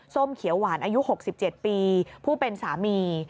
ส้มเขียวหวานอายุ๖๗ปีผู้เป็นสามี